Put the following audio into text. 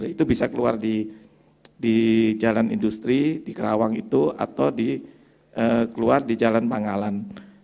itu bisa keluar di jalan industri di kerawang itu atau di keluar di jalan pangalan